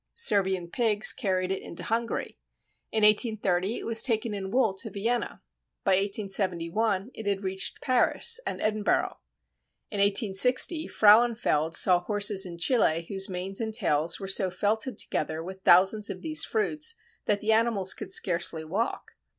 Servian pigs carried it into Hungary. In 1830 it was taken in wool to Vienna. By 1871 it had reached Paris and Edinburgh. In 1860 Frauenfeld saw horses in Chile whose manes and tails were so felted together with thousands of these fruits that the animals could scarcely walk.